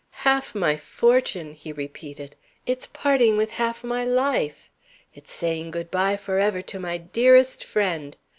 "Half my fortune!" he repeated. "It's parting with half my life; it's saying good by forever to my dearest friend!